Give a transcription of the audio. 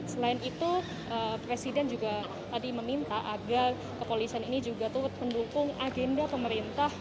selain itu presiden juga tadi meminta agar kepolisian ini juga turut mendukung agenda pemerintah